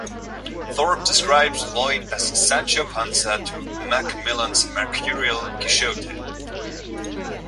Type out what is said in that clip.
Thorpe describes Lloyd as "Sancho Panza to Macmillan's mercurial Quixote".